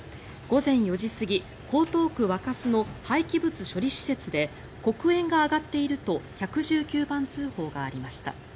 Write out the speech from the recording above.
午前４時過ぎ、江東区若洲の廃棄物処理施設で黒煙が上がっていると１１９番通報がありました。